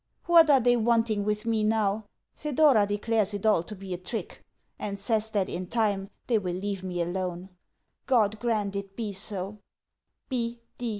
What are they wanting with me now? Thedora declares it all to be a trick, and says that in time they will leave me alone. God grant it be so!